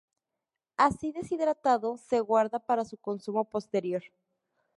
Así deshidratado se guarda para su consumo posterior.